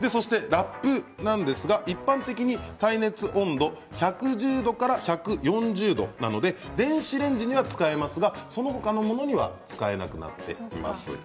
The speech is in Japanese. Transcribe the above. ラップは一般的に耐熱温度が１１０度から１４０度なので電子レンジには使えますがそのほかのものには使えなくなっています。